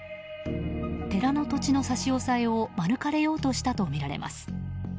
寺の土地の差し押さえを免れようとしたとみられます。